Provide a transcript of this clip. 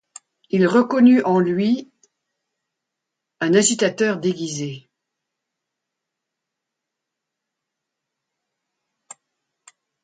Il reconnu en lui un agitateur déguisé.